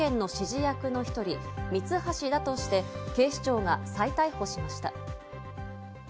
指示役の１人、ミツハシだとして警視庁が再逮捕しました。